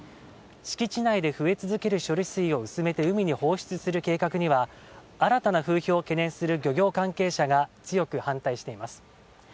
敷地内で増え続ける処理水を薄めて海に放出する計画には新たな風評を懸念する漁業関係者が強く反対しています。